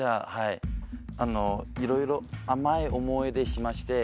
いろいろ甘い思いしまして。